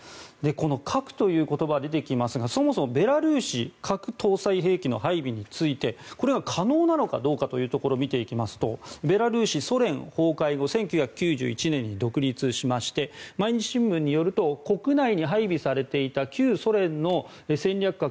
この核という言葉が出てきますがそもそもベラルーシは核搭載兵器の配備についてこれは可能なのかどうかを見ていきますとベラルーシはソ連崩壊後１９９１年に独立しまして毎日新聞によると国内に配備されていた旧ソ連の戦略核